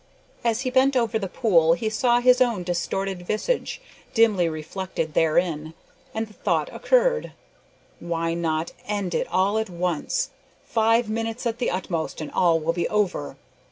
As he bent over the pool he saw his own distorted visage dimly reflected therein, and the thought occurred, "Why not end it all at once? Five minutes at the utmost and all will be over!"